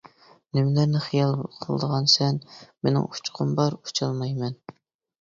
نېمىلەرنى خىيال قىلىدىغانسەن؟ مېنىڭ ئۇچقۇم بار، ئۇچالمايمەن.